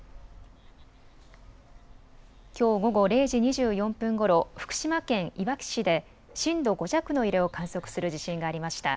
きょう午後０時２４分ごろ、福島県いわき市で震度５弱の揺れを観測する地震がありました。